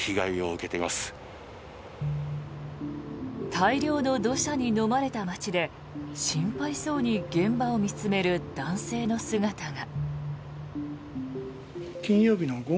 大量の土砂にのまれた街で心配そうに現場を見つめる男性の姿が。